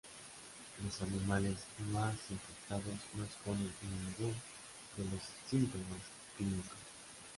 Los animales más infectados no exponen ningún de los síntomas clínicos.